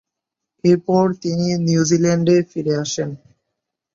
এরপর তিনি নিউজিল্যান্ডে ফিরে আসেন।